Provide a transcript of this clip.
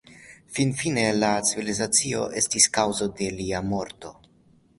Finfine la civilizacio estis kaŭzo de lia morto.